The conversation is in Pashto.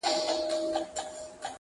• د لېوه له داړو تښتو تر چړو د قصابانو -